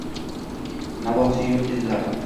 Navosi yoʼq!» – dedilar.